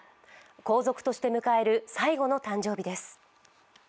皇族として迎える最後の誕生日です。